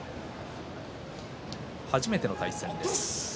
初めての対戦です。